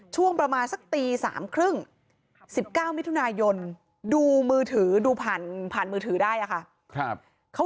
ช่วงประมาณสักตี๓๓๐๑๙มิถุนายนดูผ่านมือถือได้นะคะ